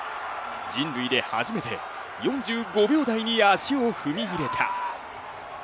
人類で初めて４５秒台に足を踏み入れた。